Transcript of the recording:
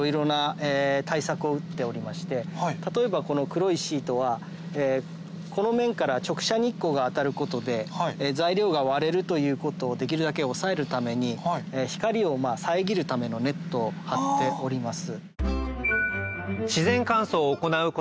例えばこの黒いシートはこの面から直射日光が当たることで材料が割れるということをできるだけ抑えるために光を遮るためのネットを張っております。